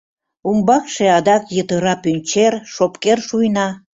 Умбакше адак йытыра пӱнчер, шопкер шуйна.